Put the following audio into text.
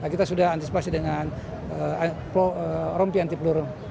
kita sudah antisipasi dengan rompi anti peluru